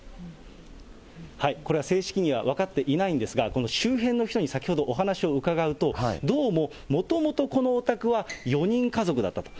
はい、これは正式には分かっていないんですが、この周辺の人に先ほどお話を伺うと、どうも、もともとこのお宅は４人家族だったと。